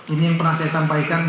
ini yang pernah saya sampaikan